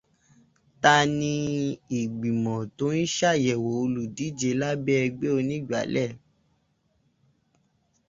Ta ni ìgbìmọ̀ tó ń sàyẹ̀wò olùdíjẹ lábẹ́ ẹgbẹ́ onígbàálẹ̀?